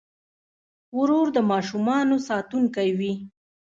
ورور د ماشومانو ساتونکی وي.